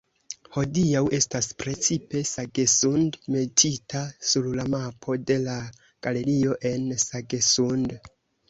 Hodiaŭ estas precipe Sagesund metita sur la mapo de la galerio en Sagesund.